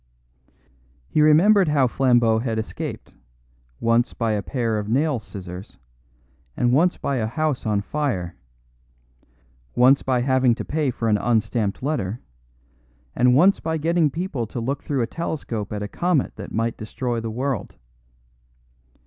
He remembered how Flambeau had escaped, once by a pair of nail scissors, and once by a house on fire; once by having to pay for an unstamped letter, and once by getting people to look through a telescope at a comet that might destroy the world.